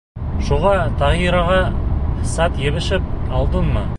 Шуға Таһираға сат йәбешеп алдыңмы?